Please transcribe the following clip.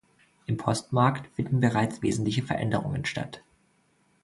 Im Postmarkt finden bereits wesentliche Veränderungen statt.